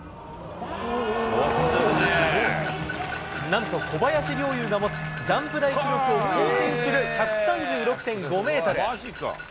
なんと小林陵侑が持つジャンプ台記録を更新する１３６．５メートル。